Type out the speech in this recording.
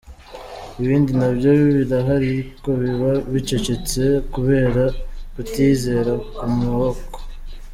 Ibindi nabyo birahari ariko biba bicecetse kubera kutiyizera mu maboko.